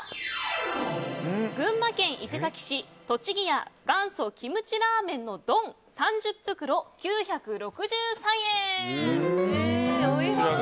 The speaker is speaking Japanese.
群馬県伊勢崎市トチギヤ元祖キムチラーメンのどん３０袋、９６３円。